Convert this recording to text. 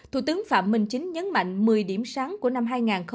thủ tướng phạm minh chính nhấn mạnh một mươi điểm sáng của năm hai nghìn hai mươi